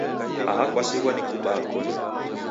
Aha kwasighwa ni kubaa koni.